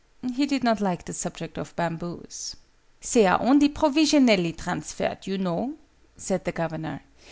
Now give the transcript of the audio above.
He did not like the subject of bamboos. "They are only provisionally transferred, you know," said the Governor.